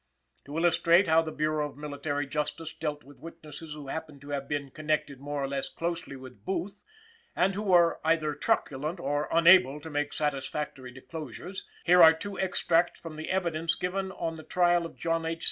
To illustrate how the Bureau of Military Justice dealt with witnesses who happened to have been connected more or less closely with Booth, and who were either reluctant or unable to make satisfactory disclosures, here are two extracts from the evidence given on the trial of John H.